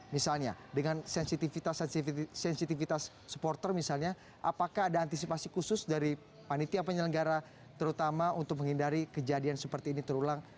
misalnya dengan sensitivitas supporter misalnya apakah ada antisipasi khusus dari panitia penyelenggara terutama untuk menghindari kejadian seperti ini terulang